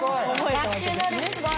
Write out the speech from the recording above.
学習能力すごい。